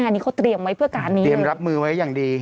อันนี้เขาเตรียมไว้เพื่อการนี้เตรียมรับมือไว้อย่างดี